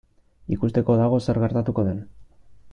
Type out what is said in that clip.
Ikusteko dago zer gertatuko den.